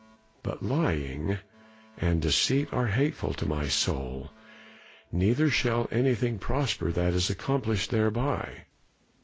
"But lying and deceit are hateful to my soul. Neither shall anything prosper that is accomplished thereby."